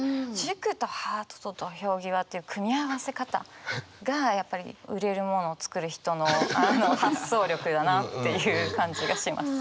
「塾」と「ハート」と「土俵際」っていう組み合わせ方がやっぱり売れるもの作る人の発想力だなっていう感じがします。